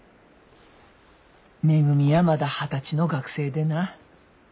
めぐみやまだ二十歳の学生でな。